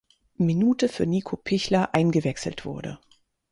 Minute für Nico Pichler eingewechselt wurde.